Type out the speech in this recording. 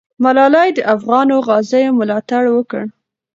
ملالۍ د افغانو غازیو ملاتړ وکړ.